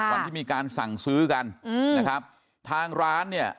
วันที่มีการสั่งซื้อกันอืมนะครับทางร้านเนี่ย